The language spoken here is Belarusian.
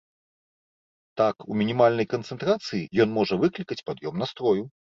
Так, у мінімальнай канцэнтрацыі ён можа выклікаць пад'ём настрою.